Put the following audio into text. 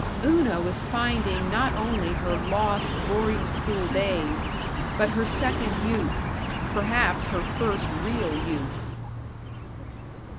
Una was finding not only her lost boarding school days, but her second youth perhaps her first real youth.